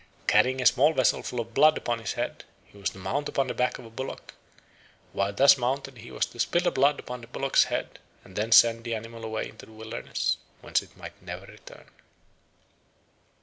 Carrying a small vessel full of blood upon his head, he was to mount upon the back of a bullock; while thus mounted, he was to spill the blood upon the bullock's head, and then send the animal away into the wilderness, whence it might never return.